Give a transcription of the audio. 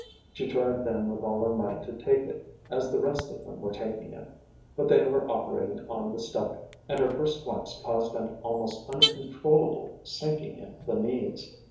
She tried then with all her might to take it as the rest of them were taking it. But they were operating on the stomach, and her first glimpse caused an almost uncontrollable sinking in the knees.